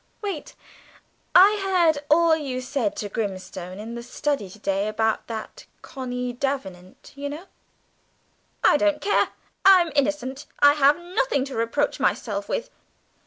Wait. I heard all you said to Grimstone in the study to day about that girl Connie Davenant, you know." "I don't care; I am innocent. I have nothing to reproach myself with."